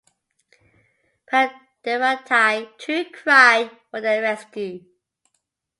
Paradevathai too cried for their rescue.